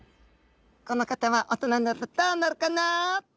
この方は大人になるとどうなるかな？